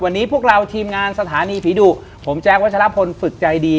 วันนี้พวกเราทีมงานสถานีผีดุผมแจ๊ควัชลพลฝึกใจดี